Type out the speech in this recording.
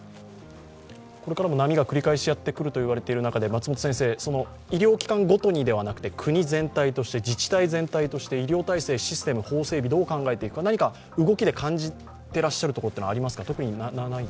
これからも波が繰り返しやってくると言われている中で、医療機関ごとにではなくて国全体、自治体として医療体制、システム、法整備どう考えていくか何か動きで感じていらっしゃるところはありますか？